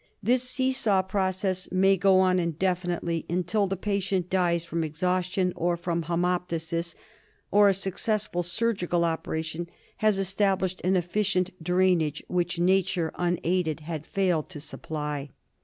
This see saw process may go on indefinitely until the patient dies from exhaustion, or from haemoptysis, or a successful surgical operation has established an efficient drainage which nature un aided had failed to supply.